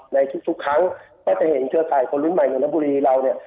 ในทุกครั้งก็จะเห็นเจือสายคนฤทธิ์ใหม่อย่างยังบุรีเราเนี่ย